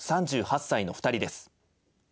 ３８歳の２人です。